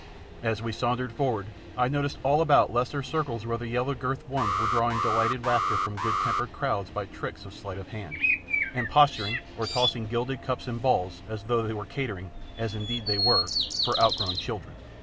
As we sauntered forward I noticed all about lesser circles where the yellow girted ones were drawing delighted laughter from good tempered crowds by tricks of sleight of hand, and posturing, or tossing gilded cups and balls as though they were catering, as indeed they were, for outgrown children.